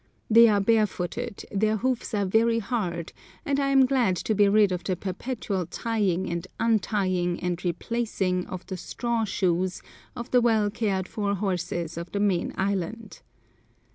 They are barefooted, their hoofs are very hard, and I am glad to be rid of the perpetual tying and untying and replacing of the straw shoes of the well cared for horses of the main island.